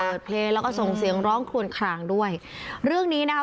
เพลงแล้วก็ส่งเสียงร้องคลวนคลางด้วยเรื่องนี้นะคะ